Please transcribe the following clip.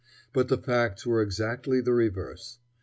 But the facts were exactly the reverse.